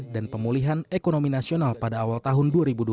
dan pemulihan ekonomi nasional pada awal tahun dua ribu dua puluh satu